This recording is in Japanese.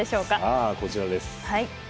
さあこちらです。